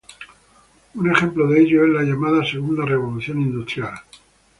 Un ejemplo de ello es la llamada Segunda Revolución Industrial.